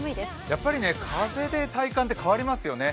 やっぱり風で体感って変わりますよね。